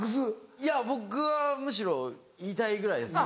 いや僕はむしろ言いたいぐらいですね。